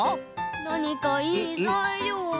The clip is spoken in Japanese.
なにかいいざいりょうは。